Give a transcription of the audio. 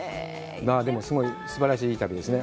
でもすごいすばらしい、いい旅ですね。